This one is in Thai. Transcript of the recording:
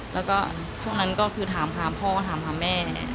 แล้วก็ช่วงนั้นก็คือถามหาพ่อถามหาแม่